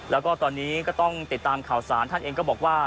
แล้วก็ตอนนี้ก็ต้องติดตามข่าวสารท่านเองก็บอกว่า